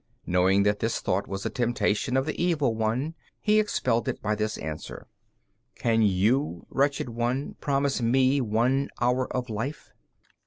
Knowing that this thought was a temptation of the evil one, he expelled it by this answer: "Can you, wretched one, promise me one hour of life?"